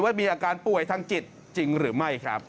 มีอาการป่วยทางจิตจริงหรือไม่ครับ